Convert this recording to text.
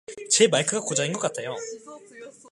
제 마이크가 고장인 것 같아요.